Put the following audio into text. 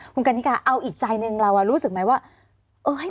คุณกันนิกาเอาอีกใจหนึ่งเรารู้สึกไหมว่า